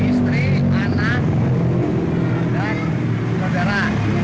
istri anak dan saudara